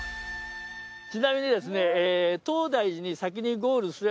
ちなみにですね。